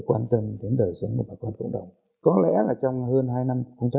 chúng ta đứng trên đôi chân của chúng ta